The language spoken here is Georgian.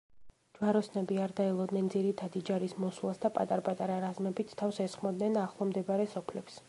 ჯვაროსნები არ დაელოდნენ ძირითადი ჯარის მოსვლას და პატარ-პატარა რაზმებით თავს ესხმოდნენ ახლო მდებარე სოფლებს.